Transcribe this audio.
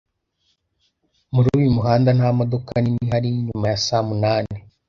Muri uyu muhanda nta modoka nini ihari nyuma ya saa munani .